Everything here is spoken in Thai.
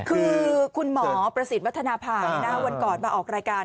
คือคุณหมอประสิทธิ์วัฒนภาวันก่อนมาออกรายการ